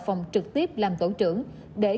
phòng trực tiếp làm tổ trưởng để